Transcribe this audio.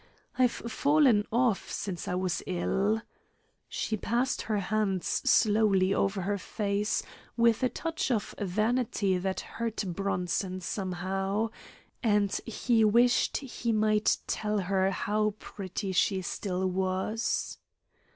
"I've fallen off since I was ill." She passed her hands slowly over her face, with a touch of vanity that hurt Bronson somehow, and he wished he might tell her how pretty she still was.